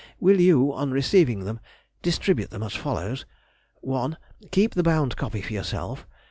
Will you, on receiving them, distribute them as follows:—1. Keep the bound copy for yourself; 2.